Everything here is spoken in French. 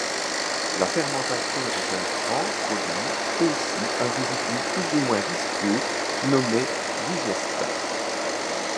La fermentation des intrants produit aussi un résidu plus ou moins visqueux, nommé digestat.